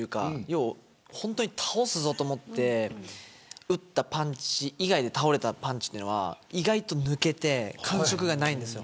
要は本当に倒すぞと思って打ったパンチ以外で倒れたパンチは意外と抜けて感触がないんです。